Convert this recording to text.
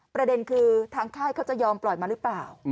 ประเด็นคือทางค่ายเขาจะยอมปล่อยมาหรือเปล่า